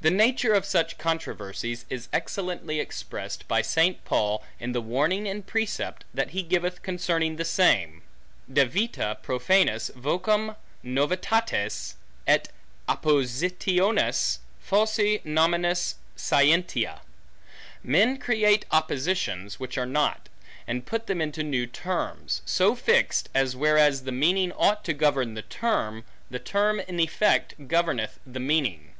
The nature of such controversies is excellently expressed, by St. Paul, in the warning and precept, that he giveth concerning the same, Devita profanas vocum novitates, et oppositiones falsi nominis scientiae. Men create oppositions, which are not; and put them into new terms, so fixed, as whereas the meaning ought to govern the term, the term in effect governeth the meaning.